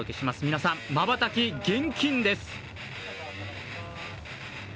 皆さん、まばたき厳禁です。